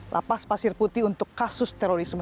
lapas pasir putih untuk kasus terorisme